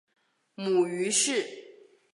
母于氏。